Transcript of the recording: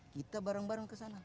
kita bareng bareng ke sana